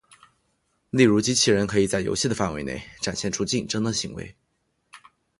例如机器人可以在游戏的范围内展现出竞争的行为。